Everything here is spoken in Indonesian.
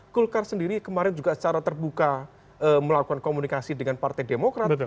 golkar sendiri kemarin juga secara terbuka melakukan komunikasi dengan partai demokrat